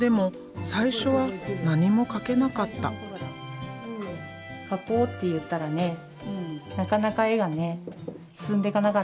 描こうって言ったらねなかなか絵がね進んでいかなかったんだよね。